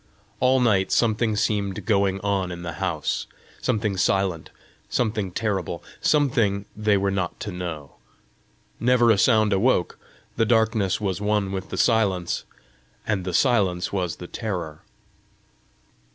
All night something seemed going on in the house something silent, something terrible, something they were not to know. Never a sound awoke; the darkness was one with the silence, and the silence was the terror.